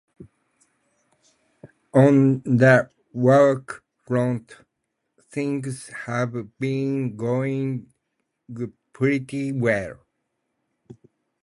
On the work front, things have been going pretty well.